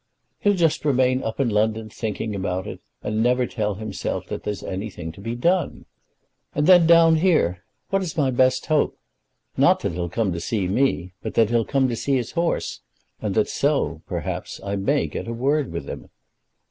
"He'll just remain up in London thinking about it, and never tell himself that there's anything to be done. And then, down here, what is my best hope? Not that he'll come to see me, but that he'll come to see his horse, and that so, perhaps, I may get a word with him."